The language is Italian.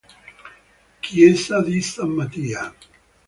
Chiesa di San Mattia